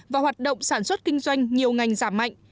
và hoạt động sản xuất kinh doanh nhiều ngành giảm mạnh